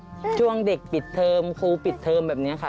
ช่วงเด็กปิดเทอมครูปิดเทอมแบบนี้ค่ะ